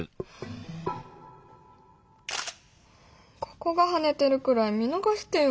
ここがハネてるくらい見逃してよ